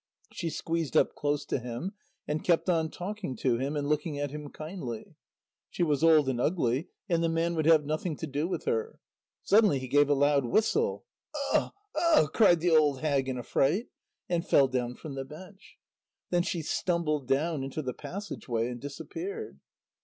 She squeezed up close to him and kept on talking to him, and looking at him kindly. She was old and ugly, and the man would have nothing to do with her. Suddenly he gave a loud whistle. "Ugh ugh!" cried the old hag in a fright, and fell down from the bench. Then she stumbled down into the passage way, and disappeared.